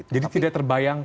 jadi tidak terbayangkan